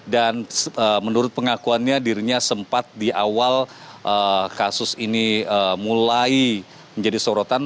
dan menurut pengakuannya dirinya sempat di awal kasus ini mulai menjadi sorotan